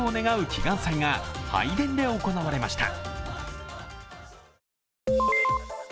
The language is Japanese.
祈願祭が拝殿で行われました。